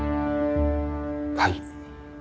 はい。